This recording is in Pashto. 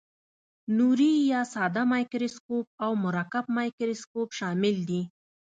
نوري یا ساده مایکروسکوپ او مرکب مایکروسکوپ شامل دي.